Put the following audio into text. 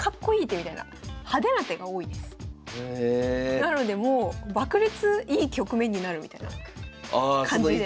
なのでもう爆裂いい局面になるみたいな感じで。